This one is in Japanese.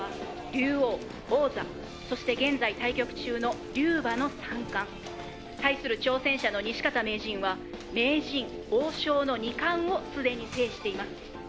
「『竜王』『王座』そして現在対局中の『龍馬』の三冠」「対する挑戦者の西片名人は『名人』『王将』の二冠をすでに制しています」